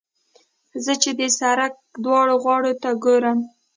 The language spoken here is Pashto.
زه چې د سړک دواړو غاړو ته ګورم.